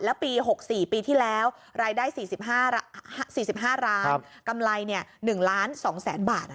แล้วปี๖๔ปีที่แล้วรายได้๔๕ล้านกำไร๑ล้าน๒แสนบาท